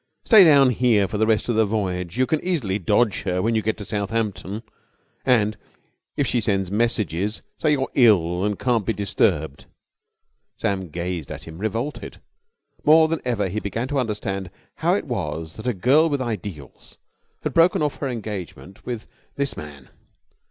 "Stay down here for the rest of the voyage. You can easily dodge her when you get to Southampton. And, if she sends messages, say you're ill and can't be disturbed." Sam gazed at him, revolted. More than ever he began to understand how it was that a girl with ideals had broken off her engagement with this man.